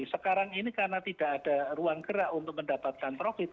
sekarang ini karena tidak ada ruang gerak untuk mendapatkan profit